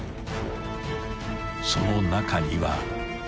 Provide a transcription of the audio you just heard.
［その中には］